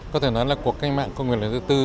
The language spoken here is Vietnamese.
có thể nói là cuộc canh mạng công nghiệp bốn